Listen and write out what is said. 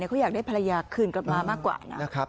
เขาอยากได้ภรรยาคืนกลับมามากกว่านะ